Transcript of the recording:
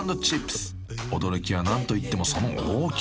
［驚きは何といってもその大きさ！］